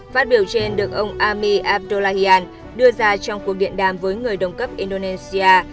phát biểu trên được ông ami abdollahian đưa ra trong cuộc điện đàm với người đồng cấp indonesia